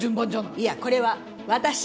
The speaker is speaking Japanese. いやこれは私